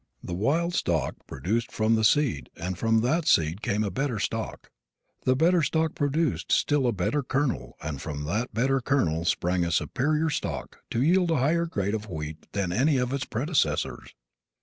The wild stalk produced the seed and from that seed came a better stalk. The better stalk produced a still better kernel and from that better kernel sprang a superior stalk to yield a higher grade of wheat than any of its predecessors.